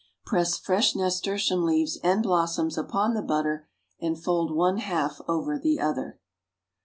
Press fresh nasturtium leaves and blossoms upon the butter and fold one half over the other.